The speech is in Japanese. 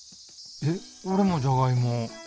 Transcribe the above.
えっ俺もじゃがいも。